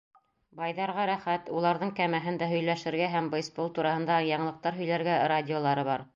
Байҙарға рәхәт: уларҙың кәмәһендә һөйләшергә һәм бейсбол тураһында яңылыҡтар һөйләргә радиолары бар.